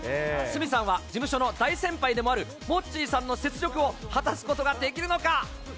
鷲見さんは、事務所の大先輩でもあるモッチーさんの雪辱を果たすことができるのか。